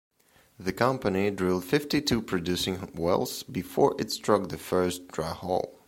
The company drilled fifty-two producing wells before it struck the first dry hole.